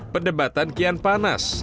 pendebatan kian panas